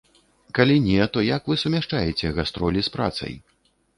Калі не, то як вы сумяшчаеце гастролі з працай?